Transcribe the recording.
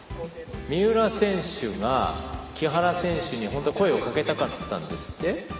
三浦選手が木原選手に声をかけたかったんですって？